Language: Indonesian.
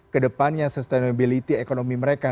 kedepannya sustainability ekonomi mereka